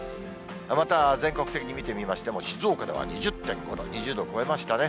また全国的に見てみましても、静岡では２０．５度、２０度を超えましたね。